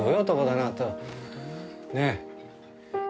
ねえ？